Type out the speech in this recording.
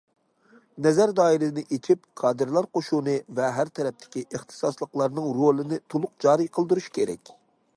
نەزەر دائىرىنى ئېچىپ، كادىرلار قوشۇنى ۋە ھەر تەرەپتىكى ئىختىساسلىقلارنىڭ رولىنى تولۇق جارى قىلدۇرۇش كېرەك.